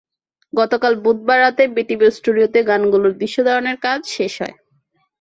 গতকাল বুধবার রাতে বিটিভির স্টুডিওতে গানগুলোর দৃশ্য ধারণের কাজ শেষ হয়।